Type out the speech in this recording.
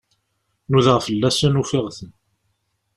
Nudaɣ fell-asen, ufiɣ-ten.